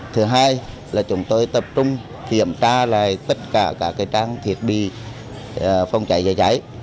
thứ hai là chúng tôi tập trung kiểm tra lại tất cả các trang thiết bị phòng cháy chữa cháy